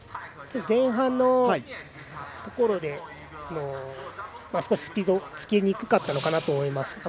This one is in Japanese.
前半のところで少しスピードがつきにくかったかなと思います